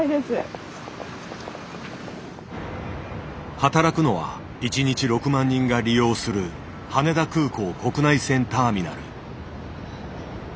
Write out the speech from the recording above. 働くのは一日６万人が利用する羽田空港国内線ターミナル。